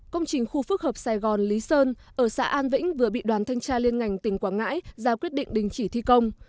công trình khu phức hợp sài gòn lý sơn ở xã an vĩnh vừa bị đoàn thanh tra liên ngành tỉnh quảng ngãi ra quyết định đình chỉ thi công